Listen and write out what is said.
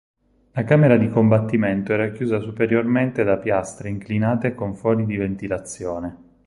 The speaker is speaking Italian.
La camera di combattimento era chiusa superiormente da piastre inclinate con fori di ventilazione.